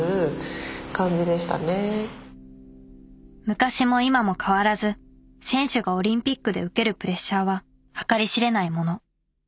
昔も今も変わらず選手がオリンピックで受けるプレッシャーは計り知れないもの。